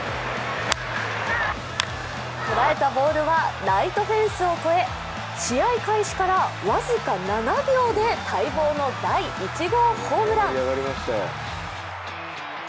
捉えたボールはライトフェンスを越え試合開始から僅か７秒で待望の第１号ホームラン。